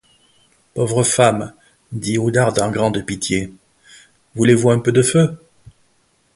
Pauvre femme, dit Oudarde en grande pitié, voulez-vous un peu de feu?